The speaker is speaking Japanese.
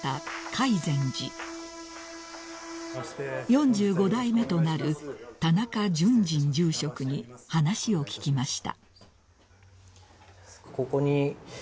［４５代目となる田中純人住職に話を聞きました］